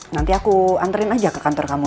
nanti aku anterin aja ke kantor kamu